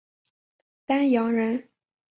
丹阳人。